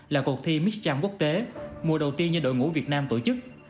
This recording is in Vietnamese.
là cuộc thi mixcham quốc tế mùa đầu tiên do đội ngũ việt nam tổ chức